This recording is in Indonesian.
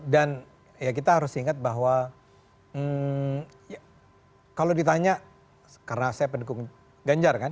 dan ya kita harus ingat bahwa kalau ditanya karena saya pendukung ganjar kan